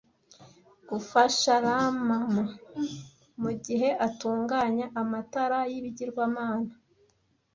Gufasha llama mugihe atunganya amatara y'ibigirwamana,